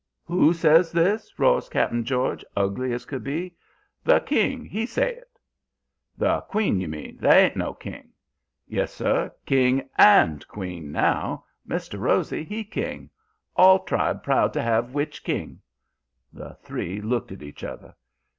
"'Who says this?' roars Cap'n George, ugly as could be. "'The king, he say it.' "'The queen, you mean. There ain't no king.' "'Yes, sir. King AND queen now. Mr. Rosy he king. All tribe proud to have witch king.' "The three looked at each other.